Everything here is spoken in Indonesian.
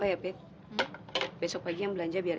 oh iya pit besok paginya belanja biar